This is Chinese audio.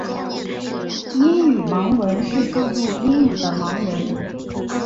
英语盲文是记录英语的盲文。